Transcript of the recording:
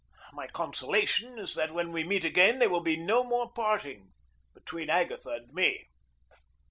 My consolation is that when we meet again there will be no more parting between Agatha and me.